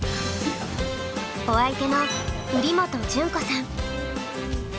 お相手の瓜本淳子さん。